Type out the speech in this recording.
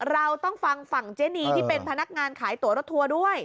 เราต้องฟังฝั่งเจนีที่เป็นพนักงานขายตัวรถทัวร์ด้วย